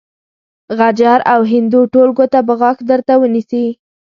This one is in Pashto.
غجر او هندو ټول ګوته په غاښ درته ونيسي.